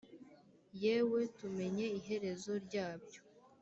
Yewe tumenye iherezo ryabyo